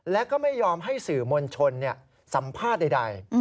และก็ไม่ยอมให้สื่อมวลชนสัมภาษณ์ใด